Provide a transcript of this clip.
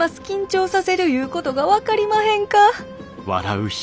緊張させるいうことが分かりまへんか！